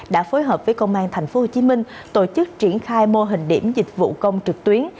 đã phối hợp với công an tp hcm tổ chức triển khai mô hình điểm dịch vụ công trực tuyến